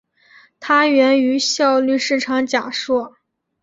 它源自于效率市场假说。